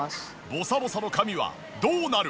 ボサボサの髪はどうなる？